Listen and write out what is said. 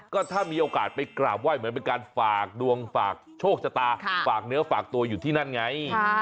ก็ถ้ามีโอกาสไปกราบไหว้เหมือนเป็นการฝากดวงฝากโชคชะตาฝากเนื้อฝากตัวอยู่ที่นั่นไง